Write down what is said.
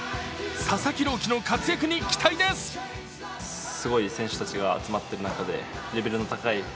佐々木朗希の活躍に期待です。